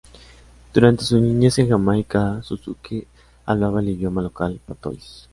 Durante su niñez en Jamaica, Suzuki hablaba el idioma local, patois.